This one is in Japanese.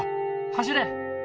走れ！